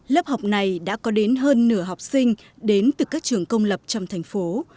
lớp học này đã có đến hơn nửa học sinh đến từ các trường công lập trong thành phố